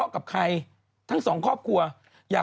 นางตอบว่า